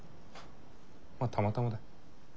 まったまたまだ。